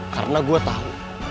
karena gue tau